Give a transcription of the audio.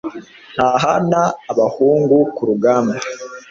Ntahana abahungu ku rugamba,